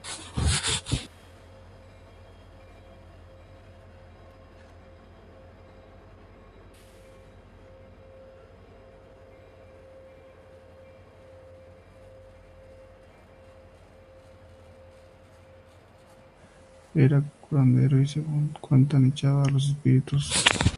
Era curandero y según cuentan, echaba a los espíritus.